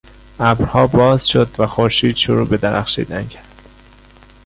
ابرها باز شد و خورشید شروع به درخشیدن کرد.